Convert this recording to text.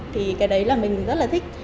thì cái đấy là mình rất là thích